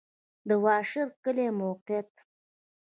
د واشر کلی موقعیت